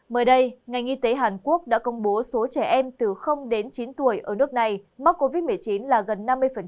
mới đây ngành y tế hàn quốc đã công bố số trẻ em từ đến chín tuổi ở nước này mắc covid một mươi chín là gần năm mươi